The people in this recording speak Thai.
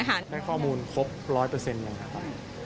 ได้ข้อมูลครบ๑๐๐อย่างนั้นค่ะ